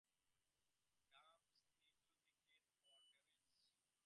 Dams need to be cleaned from the debris carried with the water flow.